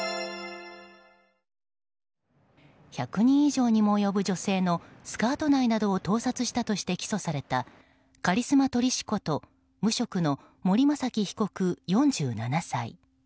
１００人以上にも及ぶ女性のスカート内などを盗撮したとして起訴されたカリスマ撮り師こと無職の森雅紀被告、４７歳。